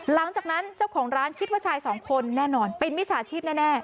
หลังจากนั้นเจ้าของร้านคิดว่าชายสองคนแน่นอนเป็นมิจฉาชีพแน่